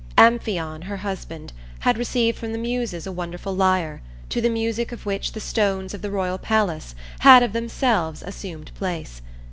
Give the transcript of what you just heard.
Amphion, her husband, had received from the Muses a wonderful lyre, to the music of which the stones of the royal palace had of themselves assumed place.